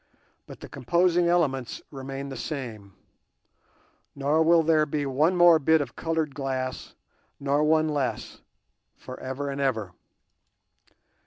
But the composing elements remain the same, nor will there be one more bit of coloured glass nor one less for ever and ever.